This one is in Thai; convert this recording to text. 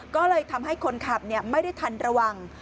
ก็เลยทำให้คนขับไม่ได้ทันระวัง